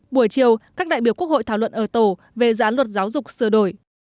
buổi chiều các đại biểu quốc hội thảo luận ở tổ về dự án luật giáo dục sửa đổi